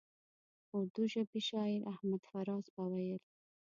اردو ژبي شاعر احمد فراز به ویل.